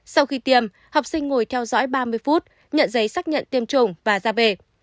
sau khi tiêm học sinh ngồi theo dõi ba mươi phút nhận giấy xác nhận tiêm chủng và ra về